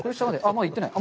まだ行ってない？